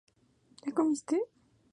Las semillas negras, brillantes y lisas.